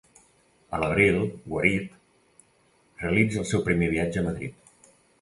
A l'abril, guarit, realitza el seu primer viatge a Madrid.